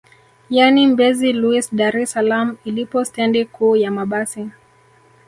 Yani Mbezi Luis Dar es salaam ilipo stendi kuu ya mabasi